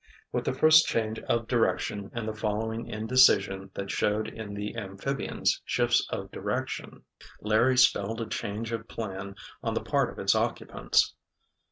With the first change of direction and the following indecision that showed in the amphibian's shifts of direction, Larry spelled a change of plan on the part of its occupants.